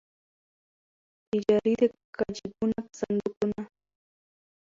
تجرۍ دي که جېبونه صندوقونه